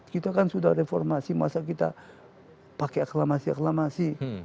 kita kan sudah reformasi masa kita pakai aklamasi aklamasi